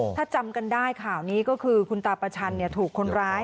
ถ้าจำกันได้ข่าวนี้ก็คือคุณตาประชันถูกคนร้าย